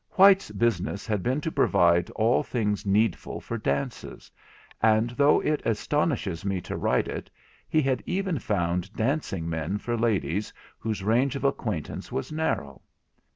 Whyte's business had been to provide all things needful for dances; and, though it astonishes me to write it, he had even found dancing men for ladies whose range of acquaintance was narrow.